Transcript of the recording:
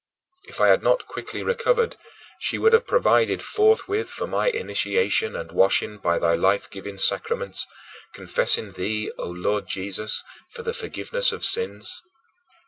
If I had not quickly recovered, she would have provided forthwith for my initiation and washing by thy life giving sacraments, confessing thee, O Lord Jesus, for the forgiveness of sins.